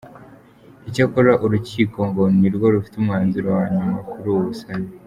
Icyakora urukiko ngo nirwo rufite umwanzuro wa nyuma kuri ubu busabe.